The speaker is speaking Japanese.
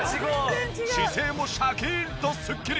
姿勢もシャキーンとすっきり！